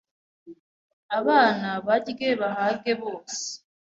abana barye bahage bose